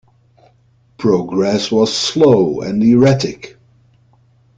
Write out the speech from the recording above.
Progress was slow and erratic.